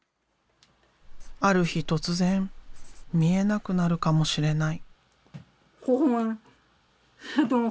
ある日突然見えなくなるかもしれない。